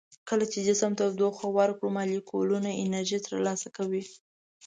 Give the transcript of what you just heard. کله چې جسم ته تودوخه ورکړو مالیکولونه انرژي تر لاسه کوي.